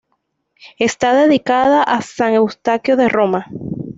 Esta dedicada a San Eustaquio de Roma.